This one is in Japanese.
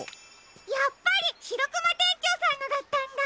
やっぱりシロクマ店長さんのだったんだ。